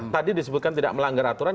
tadi disebutkan tidak melanggar aturan